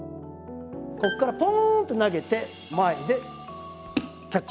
こっからポンって投げて前でキャッチ。